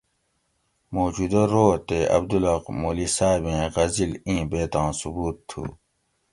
موجودہ رو تے عبدالحق مولئ صابیں غزِل ایں بیتاں ثبوت تھو